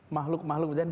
makhluk makhluk di sana